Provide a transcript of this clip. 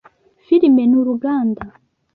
Filime ni uruganda